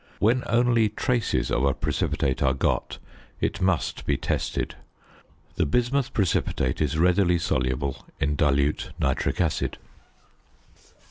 When only traces of a precipitate are got it must be tested. The bismuth precipitate is readily soluble in dilute nitric acid.